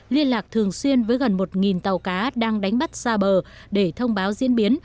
liên lạc thường xuyên với gần một tàu cá đang đánh bắt xa bờ để thông báo diễn biến